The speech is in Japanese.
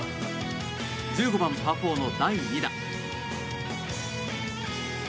１５番、パー４の第２打。